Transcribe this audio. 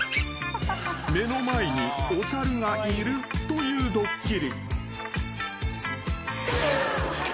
［目の前にお猿がいるというドッキリ］